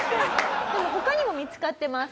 でも他にも見つかってます。